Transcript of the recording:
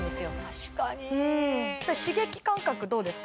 確かに刺激感覚どうですか？